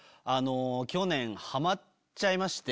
去年ハマっちゃいまして。